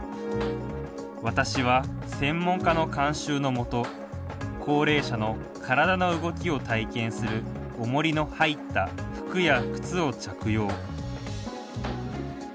私は、専門家の監修のもと高齢者の体の動きを体験するおもりの入った服や靴を着用。